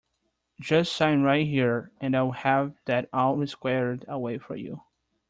Just sign right here and I’ll have that all squared away for you.